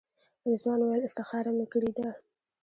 رضوان وویل استخاره مې کړې ده.